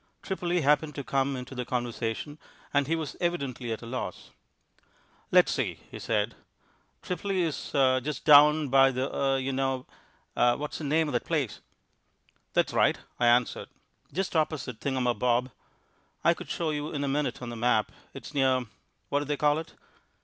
Tripoli happened to come into the conversation, and he was evidently at a loss. "Let's see," he said. "Tripoli is just down by the er you know. What's the name of that place?" "That's right," I answered, "just opposite Thingumabob. I could show you in a minute on the map. It's near what do they call it?"